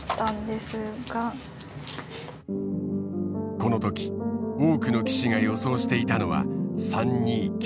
この時多くの棋士が予想していたのは３二金。